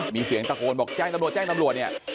มีเสียงตะโกนบอกแจ้งตำรวจแจ้งตำรวจเนี่ย